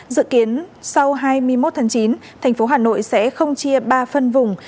dự kiến sau hai mươi một tháng chín thành phố hà nội sẽ không chia ba phân vùng